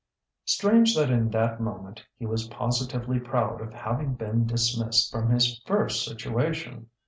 Strange that in that moment he was positively proud of having been dismissed from his first situation!